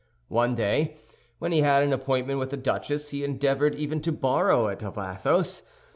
One day, when he had an appointment with a duchess, he endeavored even to borrow it of Athos.